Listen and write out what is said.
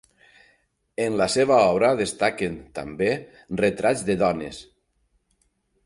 En la seva obra destaquen, també, retrats de dones.